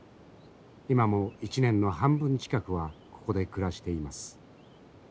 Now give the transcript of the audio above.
今も一年の半分近くはここで暮らしています。